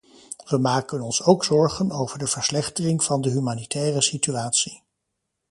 We maken ons ook zorgen over de verslechtering van de humanitaire situatie.